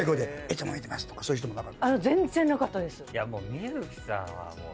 観月さんはもう。